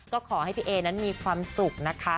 ก็ขอให้พี่เอนั้นมีความสุขนะคะ